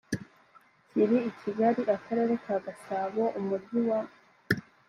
kiri i kigali akarere ka gasabo umujyi wa